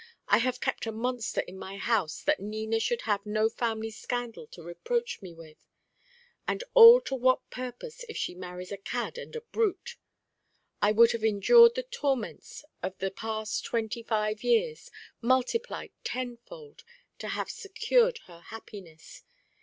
I have kept a monster in my house that Nina should have no family scandal to reproach me with. And all to what purpose if she marries a cad and a brute? I would have endured the torments of the past twenty five years, multiplied tenfold, to have secured her happiness.